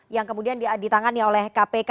yang kemudian ditangani oleh kpk